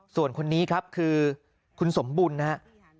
ส่วนคนนี้ครับคือคุณสมบุญนะครับ